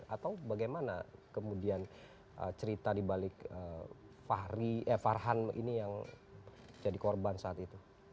atau bagaimana kemudian cerita di balik fahri eh farhan ini yang jadi korban saat itu